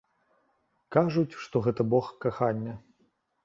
Кажуць, што гэта бог кахання.